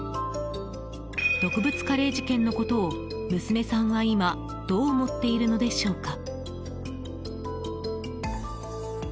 毒物カレー事件のことを娘さんは今どう思っているのでしょうか。